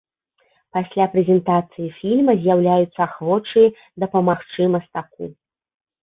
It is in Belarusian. Пасля прэзентацыі фільма з'яўляюцца ахвочыя дапамагчы мастаку.